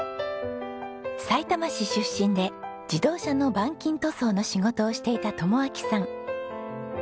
さいたま市出身で自動車の板金塗装の仕事をしていた友晃さん。